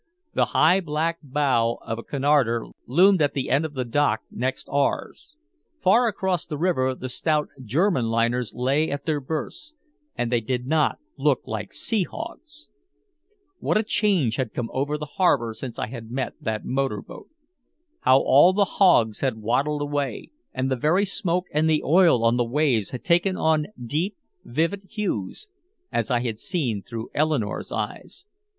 The high black bow of a Cunarder loomed at the end of the dock next ours. Far across the river the stout German liners lay at their berths and they did not look like sea hogs. What a change had come over the harbor since I had met that motorboat. How all the hogs had waddled away, and the very smoke and the oil on the waves had taken on deep, vivid hues as I had seen through Eleanore's eyes.